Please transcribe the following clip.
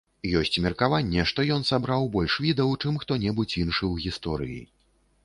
Ёсць меркаванне, што ён сабраў больш відаў, чым хто-небудзь іншы ў гісторыі.